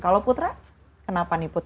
kalau putra kenapa nih put